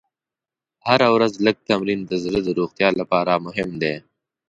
هره ورځ لږ تمرین د زړه د روغتیا لپاره مهم دی.